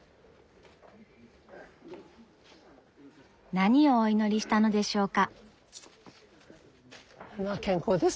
何をお祈りしたのでしょうか。